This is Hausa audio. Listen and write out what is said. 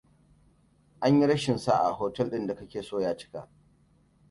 An yi rashin sa'a hotel ɗin da ka ke so ya cika.